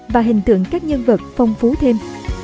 và hình tượng các nhân vật phong phú thêm